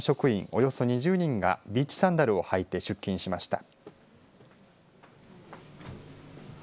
およそ２０人がビーチサンダルを履いて出勤しました。